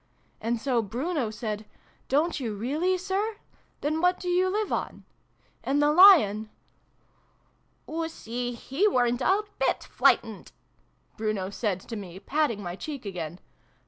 And so Bruno said ' Don't you really, Sir ? Then what do you live on ?' And the Lion " Oo see he weren't a bit flightened !" Bruno said to me, patting my cheek again.